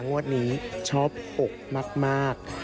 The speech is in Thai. งวดนี้ชอบอกมาก